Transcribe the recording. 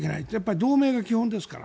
同盟が基本ですから。